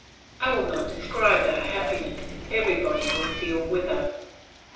I will not describe our happiness; everybody will feel with us.